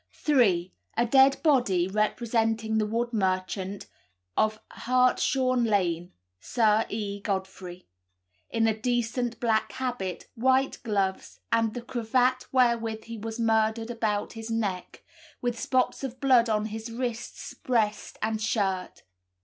3. A dead body, representing the wood merchant of Hartshorne Lane (Sir E. Godfrey), in a decent black habit, white gloves, and the cravat wherewith he was murdered about his neck, with spots of blood on his wrists, breast, and shirt.